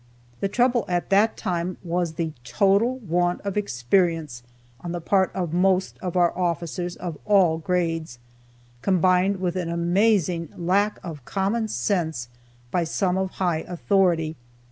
The trouble at that time was the total want of experience on the part of the most of our officers of all grades, combined with an amazing lack of common sense by some of high authority.